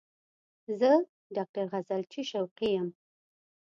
زه ډاکټر غزلچی شوقی یم